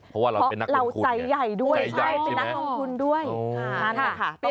เพราะเราใจใหญ่ด้วยเป็นนักงงคุณด้วย